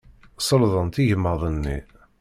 Selḍent igmaḍ-nni.